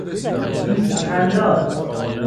دیسک انداز